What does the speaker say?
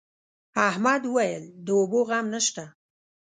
احمد وويل: د اوبو غم نشته.